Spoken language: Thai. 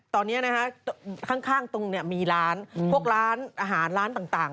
ตอนนี้ข้างตรงมีร้านพวกร้านอาหารร้านต่าง